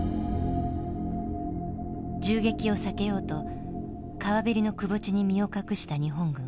銃撃を避けようと川べりのくぼ地に身を隠した日本軍。